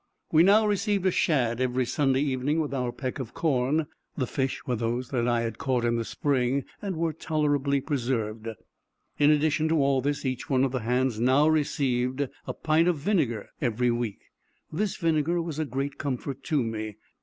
We now received a shad every Sunday evening with our peck of corn. The fish were those that I had caught in the spring, and were tolerably preserved. In addition to all this, each one of the hands now received a pint of vinegar every week. This vinegar was a great comfort to me.